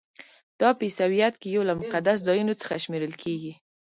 دا په عیسویت کې یو له مقدسو ځایونو څخه شمیرل کیږي.